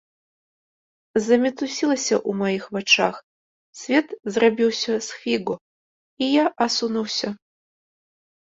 Замітусілася ў маіх вачах, свет зрабіўся з хвігу, і я асунуўся.